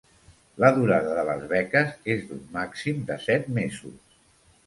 La durada de les beques és d'un màxim de set mesos.